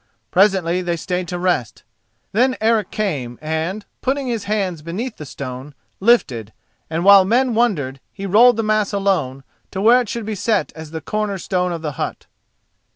Presently they stayed to rest. Then Eric came and putting his hands beneath the stone, lifted, and while men wondered, he rolled the mass alone, to where it should be set as the corner stone of the hut.